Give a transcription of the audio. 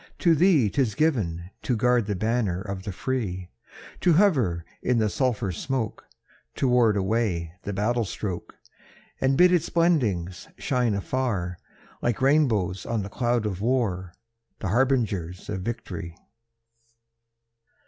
to thee 'tis given To guard the banner of the free, To hover in the sulphur smoke, To ward away the battle stroke, And bid its blendings shine afar, Like rainbows on the cloud of war, The harbingers of victory!